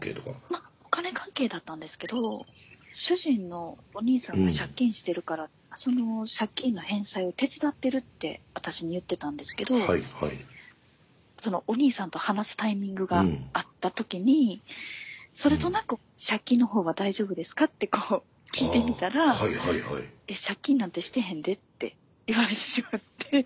まお金関係だったんですけど主人のお兄さんが借金してるからその借金の返済を手伝ってるって私に言ってたんですけどそのお兄さんと話すタイミングがあった時にそれとなく借金の方は大丈夫ですかってこう聞いてみたら「え借金なんてしてへんで」って言われてしまって。